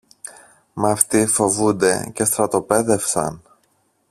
Μα αυτοί φοβούνται και στρατοπέδευσαν.